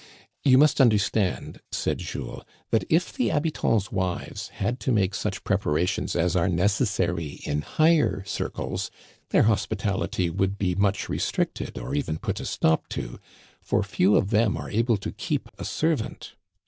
'*You must understand/' said Jules, 'that if the habitants' wives had to make such preparations as are necessary in higher circles, their hospitality would be much restricted or even put a stop to, for few of them are able to keep a servant.